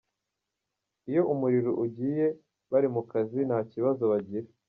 Iyo umuriro ugiye bari mu kazi nta kibazo bagira.